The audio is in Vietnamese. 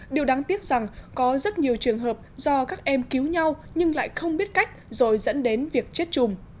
điều đáng tiếc rằng có rất nhiều trường hợp do các em cứu nhau nhưng lại không biết cách rồi dẫn đến việc chết trùm